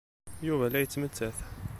Yuba la yettmettat.